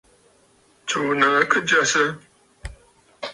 Tsùù nàa kɨ jasə.